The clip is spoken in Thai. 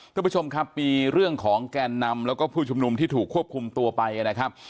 ทุกผู้ชมครับมีเรื่องของแก่นนำและผู้ชมนุมที่ถูกควบคุมตัวไป